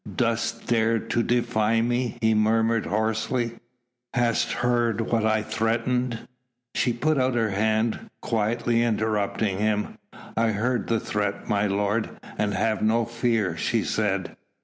"Dost dare to defy me...!" he murmured hoarsely, "hast heard what I threatened ..." She put out her hand, quietly interrupting him. "I heard the threat, my lord ... and have no fear," she said.